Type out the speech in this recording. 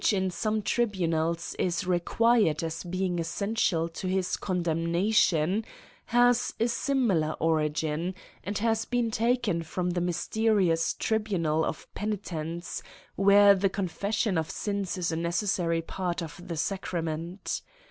AN ESSAY ON in some tribunals is required as being essential to his condemnation, has a similar origin, and has been taken from the mysterious tribunal of peni tence, were the confession of sins is a necessary part of the sacrament.